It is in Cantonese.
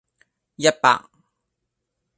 一百